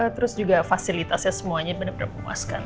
terus juga fasilitasnya semuanya bener bener memuaskan